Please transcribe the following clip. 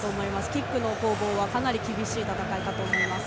キックの攻防はかなり厳しい戦いだと思います。